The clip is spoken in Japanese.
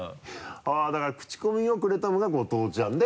だからクチコミをくれたのが後藤ちゃんで。